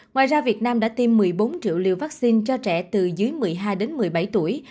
ngoài ra việt nam đã tiêm một mươi bốn triệu liều vaccine cho trẻ từ dưới một mươi hai đến một mươi bảy tuổi